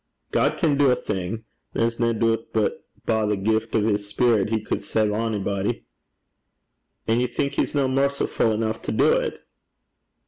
'God can do a'thing. There's nae doobt but by the gift o' his speerit he cud save a'body.' 'An' ye think he's no mercifu' eneuch to do 't?'